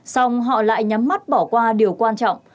xong họ lại nhắm mắt bỏ qua điều quan trọng